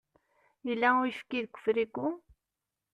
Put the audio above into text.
Yella uyefki deg ufrigu?